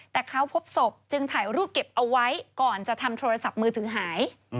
แต่เขาพบศพจึงถ่ายรูปเก็บเอาไว้ก่อนจะทำโทรศัพท์มือถือหาย